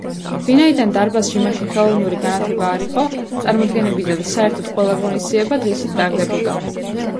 ვინაიდან დარბაზში მაშინ ხელოვნური განათება არ იყო, წარმოდგენები და საერთოდ ყველა ღონისძიება, დღისით ტარდებოდა.